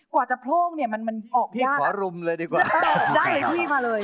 กว่าจะโพร่งเนี่ยมันมันออกพี่ขอรุมเลยดีกว่าได้เลยพี่มาเลย